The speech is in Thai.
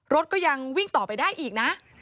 รถก็ยังวิ่งต่อไปได้อีกนะ